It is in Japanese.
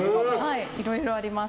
いろいろあります